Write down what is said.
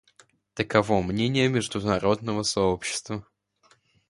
Таково мнение международного сообщества.